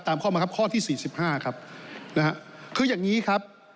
ตามข้อมาครับข้อที่๔๕ครับนะฮะเคอ่อย่างนี้ครับ